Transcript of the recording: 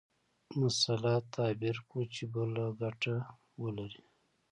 مسأله تعبیر کړو چې بل ګټه ولري.